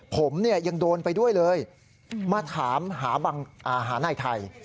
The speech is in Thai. ผมเนี่ยยังโดนไปด้วยเลยมาถามหานายไทย